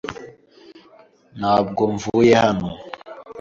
Ntabwo mvuye hano.